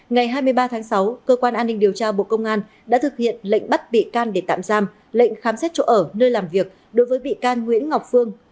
ngày hai mươi ba tháng sáu cơ quan an ninh điều tra bộ công an đã thực hiện lệnh bắt bị can để tạm giam lệnh khám xét chỗ ở nơi làm việc đối với bị can nguyễn ngọc phương